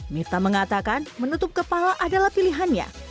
mirta mengatakan menutup kepala adalah pilihannya